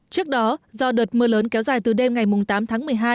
trước đó do đợt mưa lớn kéo dài từ đêm ngày tám tháng một mươi hai